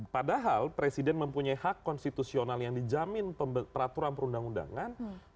padahal presiden mempunyai hak konstitusional yang dijamin peraturan perundang undangan